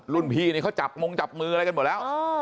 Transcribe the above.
รุ่นพี่นี่เขาจับมงจับมืออะไรกันหมดแล้ว